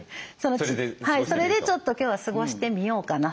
それでちょっと今日は過ごしてみようかなと。